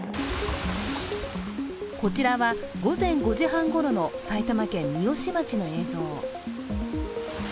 こちらは午前５時半ごろの埼玉県三芳町の映像。